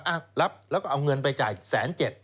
รับแล้วก็เอาเงินไปจ่ายแสนเจ็ด